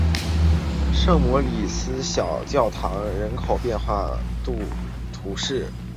圣莫里斯小教堂人口变化图示